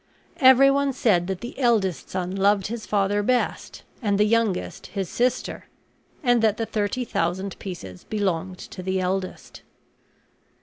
Everyone said that the eldest son loved his father best, and the youngest his sister; and that the thirty thousand pieces belonged to the eldest.